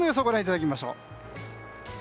ご覧いただきましょう。